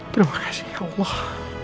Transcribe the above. terima kasih ya allah